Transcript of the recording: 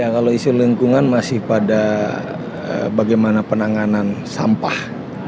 kalau isu lingkungan masih pada bagaimana penanganan sampah